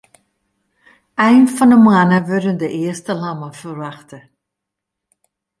Ein fan 'e moanne wurde de earste lammen ferwachte.